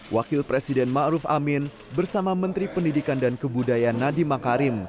wakil presiden ma'ruf amin bersama menteri pendidikan dan kebudayaan nadiem makarim